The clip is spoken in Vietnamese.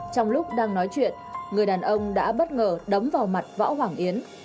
trong lúc đang nói chuyện người đàn ông đã bất ngờ đấm vào mặt võ hoàng yến